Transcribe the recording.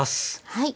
はい。